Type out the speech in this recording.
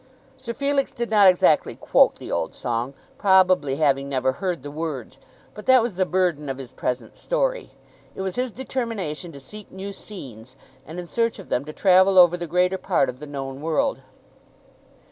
Sir Felix did not exactly quote the old song, probably having never heard the words. But that was the burden of his present story. It was his determination to seek new scenes, and in search of them to travel over the greater part of the known world.